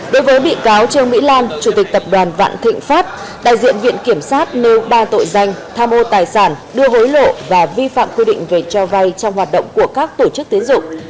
đối với bị cáo trương mỹ lan chủ tịch tập đoàn vạn thịnh pháp đại diện viện kiểm sát nêu ba tội danh tham ô tài sản đưa hối lộ và vi phạm quy định về cho vay trong hoạt động của các tổ chức tiến dụng